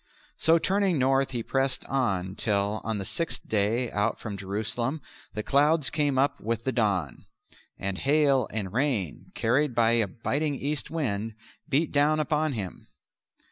So turning north he pressed on till on the sixth day out from Jerusalem the clouds came up with the dawn, and hail and rain, carried by a biting east wind, beat down upon him.